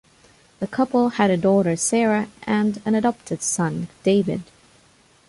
The couple had a daughter Sarah and an adopted son David.